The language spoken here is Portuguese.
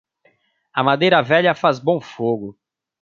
A madeira velha faz bom fogo.